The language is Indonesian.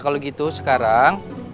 kalo gitu sekarang